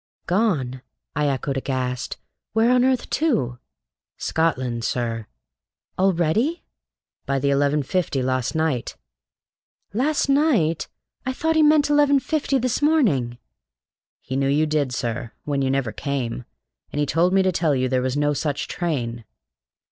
"Gone!" I echoed aghast. "Where on earth to?" "Scotland, sir." "Already?" "By the eleven fifty lawst night." "Last night! I thought he meant eleven fifty this morning!" "He knew you did, sir, when you never came, and he told me to tell you there was no such train."